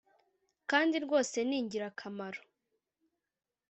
Kandi rwose ni ingirakamaro